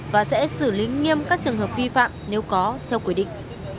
và sẽ xử lý nghiêm các trường hợp vi phạm nếu có theo quy định